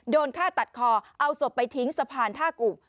โดนฆ่าตัดคอเอาศพไปทิ้งสะพานท่ากุก